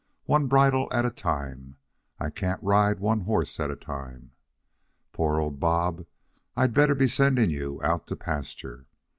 One bridle at a time! I can't ride one horse at a time. Poor old Bob. I'd better be sending you out to pasture.